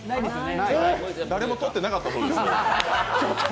誰も撮ってなかったそうです。